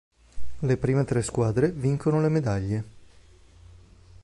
Le prime tre squadre vincono le medaglie.